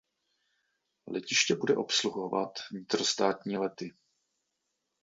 Letiště bude obsluhovat vnitrostátní lety.